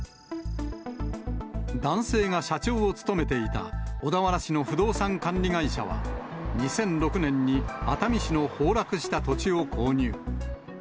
男性が社長を務めていた小田原市の不動産管理会社は、２００６年に熱海市の崩落した土地を購入。